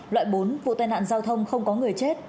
loại bốn vụ tai nạn giao thông không có người chết